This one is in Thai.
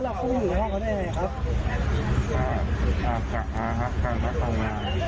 แล้วเราผู้หญิงห้องเขาได้ยังไงครับ